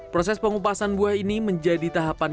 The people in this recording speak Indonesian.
proses pengupasan buah ini menjadi tahapan